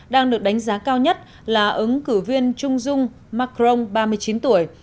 đang được đánh giá cao nhất là ứng cử viên trung dung macron ba mươi chín tuổi